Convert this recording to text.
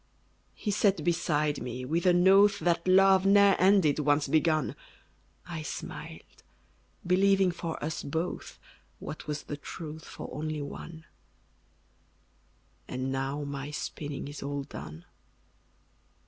He sat beside me, with an oath That love ne'er ended, once begun; I smiled, believing for us both, What was the truth for only one: And now my spinning is all done.